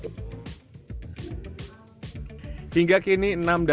sehingga sekarang di ktt g dua puluh di ktt g dua puluh